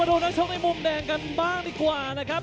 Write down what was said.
สวัสดีครับสวัสดีครับ